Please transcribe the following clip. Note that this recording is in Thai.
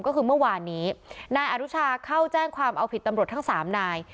ก็คือเมื่อวานนี้นายอนุชาเข้าแจ้งความเอาผิดตำรวจทั้งสามนาย